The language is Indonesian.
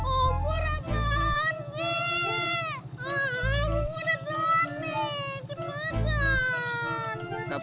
om udah jalan nih cepetan